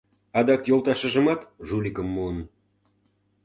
Адак йолташыжымат жуликым муын...